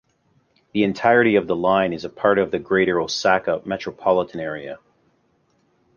The entirety of the line is part of the Greater Osaka Metropolitan Area.